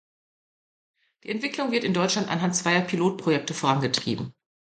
Die Entwicklung wird in Deutschland anhand zweier Pilotprojekte vorangetrieben.